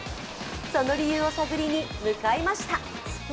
その理由を探りに向かいました。